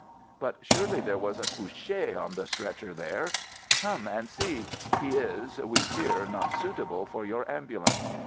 "But surely there was a couche on the stretcher there?" "Come and see: — he is, we fear, not suitable for your ambulance."